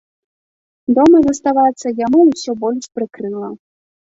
Дома заставацца яму ўсё больш прыкрыла.